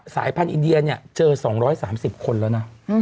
สายพันธ์อินเดียเนี่ยเจอ๒๓๐คนแล้วนะ